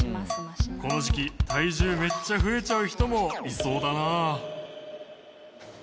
この時期体重めっちゃ増えちゃう人もいそうだな。